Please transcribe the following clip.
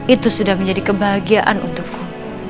itu sudah menjadi kebahagiaan untukku